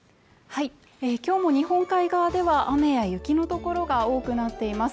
今日も日本海側では雨や雪の所が多くなっています